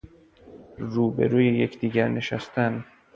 رو به رو یکدیگر نشستن